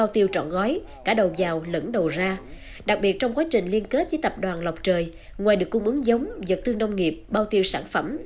trong quá trình liên kết với tập đoàn lọc trời ngoài được cung ứng giống vật tương nông nghiệp bao tiêu sản phẩm